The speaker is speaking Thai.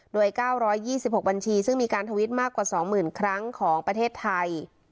โดย๙๒๖บัญชีซึ่งมีการทวิตมากกว่า๒๐๐๐ครั้งของประเทศไทย